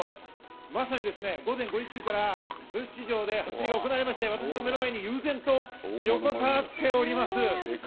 まさに午前５時過ぎから、豊洲市場で初競りが行われて私の前に悠然と横たわっております。